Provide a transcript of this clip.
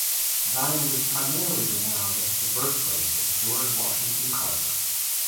Diamond is primarily renowned as the birthplace of George Washington Carver.